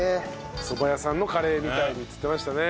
そば屋さんのカレーみたいにっつってましたね。